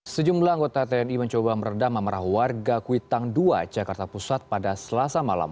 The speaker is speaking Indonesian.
sejumlah anggota tni mencoba meredam amarah warga kuitang dua jakarta pusat pada selasa malam